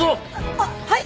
あっはい！